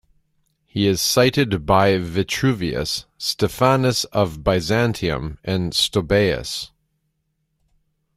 He is cited by Vitruvius, Stephanus of Byzantium and Stobaeus.